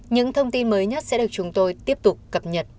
những thông tin mới nhất sẽ được chúng tôi tiếp tục cập nhật